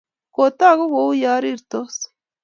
Kotagu kouyo rirtos